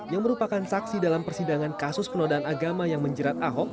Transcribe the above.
yang merupakan saksi dalam persidangan kasus penodaan agama yang menjerat ahok